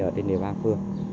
ở trên địa phương